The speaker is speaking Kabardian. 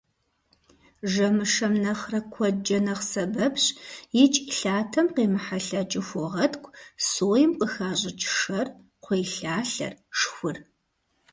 Жэмышэм нэхърэ куэдкӀэ нэхъ сэбэпщ икӀи лъатэм къемыхьэлъэкӀыу хуогъэткӀу соем къыхащӀыкӀ шэр, кхъуейлъалъэр, шхур.